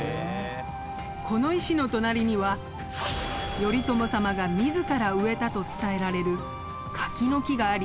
この石の隣には頼朝様が自ら植えたと伝えられる柿の木があり。